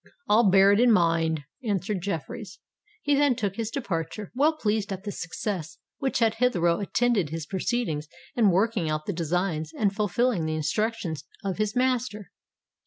"I'll bear it in mind," answered Jeffreys. He then took his departure, well pleased at the success which had hitherto attended his proceedings in working out the designs and fulfilling the instructions of his master.